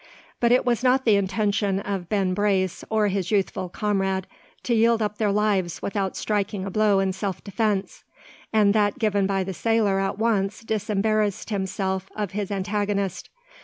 But it was not the intention of Ben Brace or his youthful comrade to yield up their lives without striking a blow in self defence, and that given by the sailor at once disembarrassed him of his antagonist.